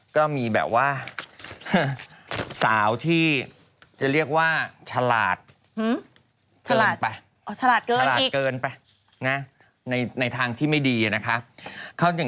ก็มีแบบว่าสาวที่จะเรียกว่าฉลาดเกินไปในทางที่ไม่ดีนะคะ